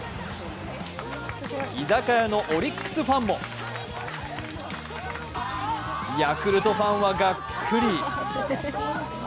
居酒屋のオリックスファンもヤクルトファンは、がっくり。